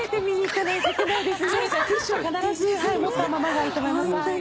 ティッシュは必ず持ったままがいいと思います。